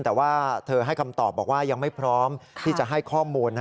แต่ว่าเธอให้คำตอบบอกว่ายังไม่พร้อมที่จะให้ข้อมูล